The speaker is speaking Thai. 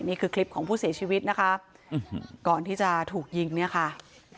นี่คือคลิปของผู้เสียชีวิตนะคะก่อนที่จะถูกยิงเนี่ยค่ะ